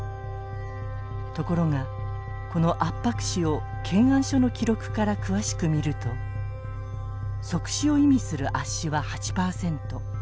ところがこの圧迫死を検案書の記録から詳しく見ると即死を意味する圧死は８％。